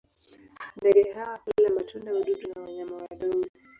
Ndege hawa hula matunda, wadudu na wanyama wadogo.